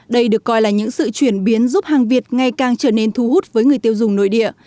đây được coi là những sự chuyển biến giúp hàng việt ngày càng trở nên thu hút với người tiêu dùng nội địa